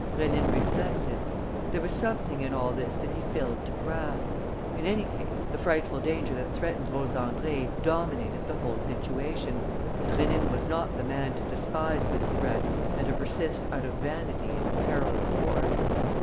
Rénine reflected. There was something in all this that he failed to grasp. In any case, the frightful danger that threatened Rose Andrée dominated the whole situation; and Rénine was not the man to despise this threat and to persist out of vanity in a perilous course.